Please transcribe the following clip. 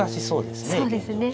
そうですね。